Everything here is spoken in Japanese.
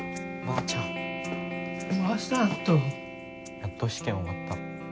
やっと試験終わった。